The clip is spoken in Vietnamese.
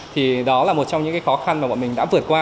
thì đó là một trong những khó khăn mà bọn mình đã vượt qua